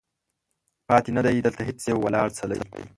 پاتې نه دی، دلته هیڅ یو ولاړ څلی